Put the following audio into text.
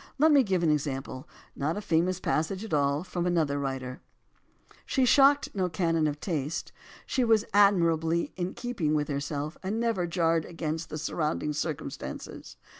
Let me give an example, not a famous passage at all, from another writer : She shocked no canon of taste; she was admirably in keeping with herself, and never jarred against surrounding circumstances.